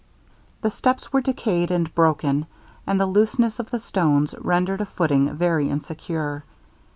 The steps were decayed and broken, and the looseness of the stones rendered a footing very insecure.